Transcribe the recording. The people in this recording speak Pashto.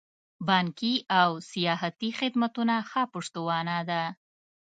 بانکي او سیاحتي خدمتونه ښه پشتوانه ده.